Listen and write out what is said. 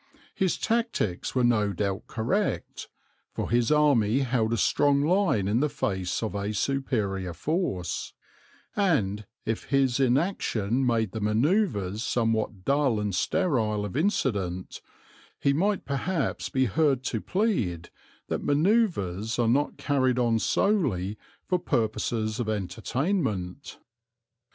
His tactics were no doubt correct, for his army held a strong line in the face of a superior force, and, if his inaction made the manoeuvres somewhat dull and sterile of incident, he might perhaps be heard to plead that manoeuvres are not carried on solely for purposes of entertainment.